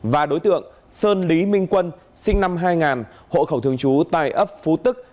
và đối tượng sơn lý minh quân sinh năm hai nghìn hộ khẩu thường trú tại ấp phú tức